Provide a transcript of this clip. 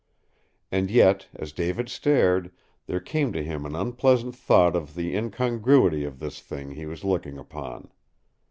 And yet, as David stared, there came to him an unpleasant thought of the incongruity of this thing he was looking upon.